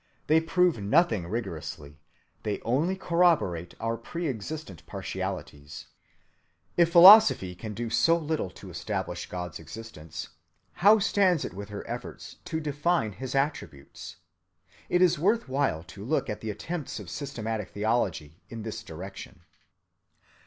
They prove nothing rigorously. They only corroborate our pre‐existent partialities. ‐‐‐‐‐‐‐‐‐‐‐‐‐‐‐‐‐‐‐‐‐‐‐‐‐‐‐‐‐‐‐‐‐‐‐‐‐ If philosophy can do so little to establish God's existence, how stands it with her efforts to define his attributes? It is worth while to look at the attempts of systematic theology in this direction.